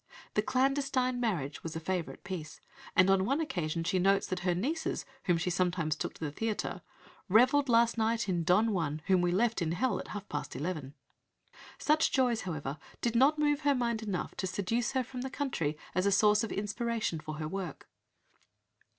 "The Clandestine Marriage" was a favourite piece, and on one occasion she notes that her nieces, whom she sometimes took to the theatre, "revelled last night in Don Juan, whom we left in hell at half past eleven." Such joys, however, did not move her mind enough to seduce her from the country as a source of inspiration for her work.